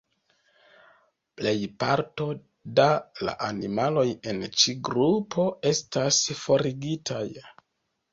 Plejparto da la animaloj en ĉi grupo estas forigitaj.